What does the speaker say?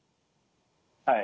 はい。